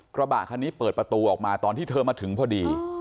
กระบะคันนี้เปิดประตูออกมาตอนที่เธอมาถึงพอดี